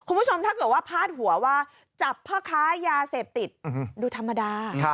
คุณผู้ชมถ้าเกิดว่าพาดหัวว่าจับพ่อค้ายาเสพติดดูธรรมดา